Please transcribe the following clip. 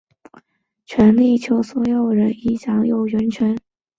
人权的许多价值以强化人的能动性并以普世原则要求所有人应享有此天赋权利。